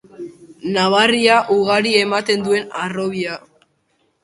Nabarria ugari ematen duen harrobia.